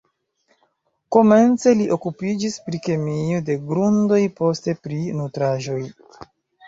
Komence li okupiĝis pri kemio de grundoj, poste pri nutraĵoj.